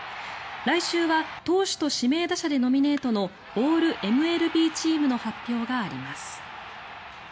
来週は投手と指名打者でノミネートのオールＭＬＢチームの発表があります。